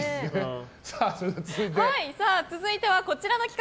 続いては、こちらの企画。